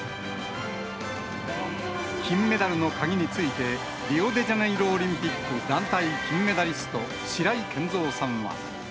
金メダルの鍵について、リオデジャネイロオリンピック団体金メダリスト、白井健三さんは。